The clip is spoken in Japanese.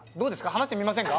話してみませんか？